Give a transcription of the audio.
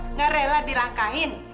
nggak rela dirangkain